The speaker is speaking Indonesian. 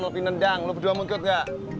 lo pinendang lo berdua mau ikut ga